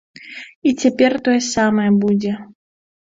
І цяпер тое самае будзе.